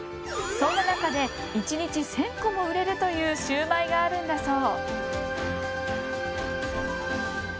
そんな中で１日１，０００個も売れるというシューマイがあるんだそう！